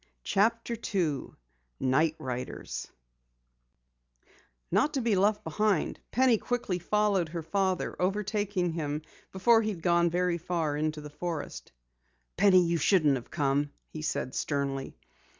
CHAPTER 2 NIGHT RIDERS Not to be left behind, Penny quickly followed her father, overtaking him before he had gone very far into the forest. "Penny, you shouldn't have come," he said sternly.